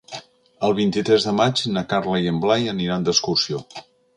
El vint-i-tres de maig na Carla i en Blai aniran d'excursió.